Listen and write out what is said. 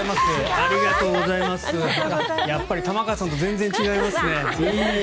やっぱり玉川さんと全然違いますね。